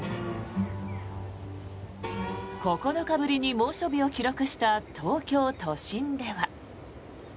９日ぶりに猛暑日を記録した東京都心では。